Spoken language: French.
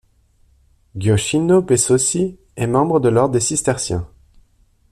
Gioacchino Besozzi est membre de l'ordre des Cisterciens.